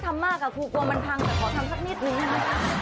ถ้าทำมากครูกลัวมันพังแต่ขอทำสักนิดหนึ่ง